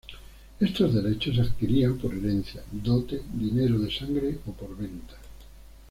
Estos derechos se adquirían por herencia, dote, dinero de sangre o por venta.